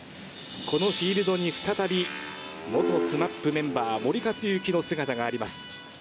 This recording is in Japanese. このフィールドに再び、元ＳＭＡＰメンバー、森且行の姿があります。